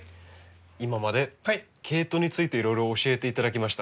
今までケイトウについていろいろ教えていただきました。